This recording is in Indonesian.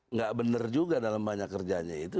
nggak benar juga dalam banyak kerjanya itu